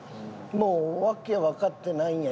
もう訳わかってないんや。